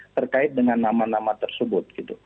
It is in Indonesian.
terkait dengan nama nama tersebut